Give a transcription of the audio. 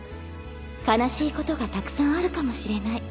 悲しいことがたくさんあるかもしれない。